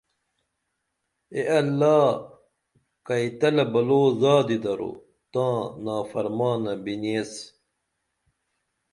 اے اللہ کئی تلہ بلو زادی درو تاں نافرمانہ بنی ایس